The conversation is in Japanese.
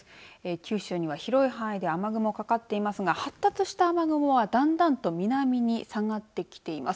九州の広い範囲で雨雲かかっていますが発達した雨雲はだんだんと南へ下がってきています。